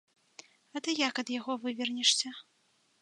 А ты як ад яго вывернешся?